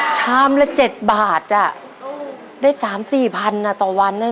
ชามละเจ็ดบาทอ่ะได้สามสี่พันอ่ะต่อวันนั้น